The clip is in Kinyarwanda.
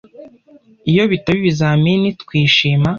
Iyo bitaba ibizamini, twishima.